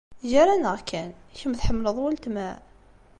Gar-aneɣ kan, kemm tḥemmleḍ weltma?